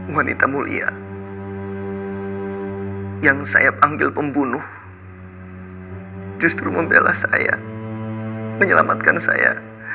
wanita mulia yang saya ambil pembunuh justru membela saya menyelamatkan saya